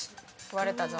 割れたぞ。